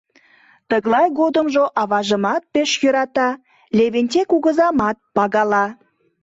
Тыглай годымжо аважымат пеш йӧрата, Левентей кугызамат пагала.